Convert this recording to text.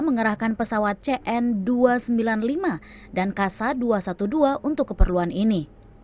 mengerahkan pesawat cn dua ratus sembilan puluh lima dan kasa dua ratus dua belas untuk keperluan ini